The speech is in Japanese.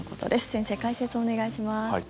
先生、解説をお願いします。